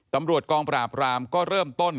ตำรวจกองปราบรามก็เริ่มต้น